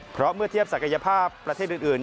เพราะเมื่อเทียบศักยภาพประเทศอื่น